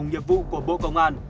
nhiệp vụ của bộ công an